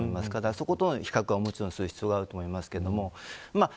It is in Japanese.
そことの比較をする必要があると思います。